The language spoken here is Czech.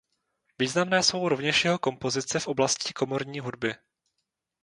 Významné jsou rovněž jeho kompozice v oblasti komorní hudby.